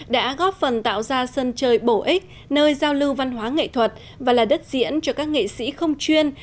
đã góp phần tạo ra sân chơi bổ ích nơi giao lưu văn hóa nghệ thuật và là đất diễn cho các nghệ sĩ không chuyên